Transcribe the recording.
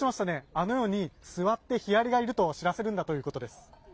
あのように座ってヒアリがいると知らせるんだということです。